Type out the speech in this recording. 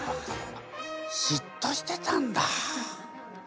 しっとしてたんだ。